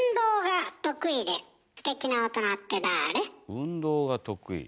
運動が得意。